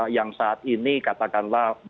yang saat ini katakanlah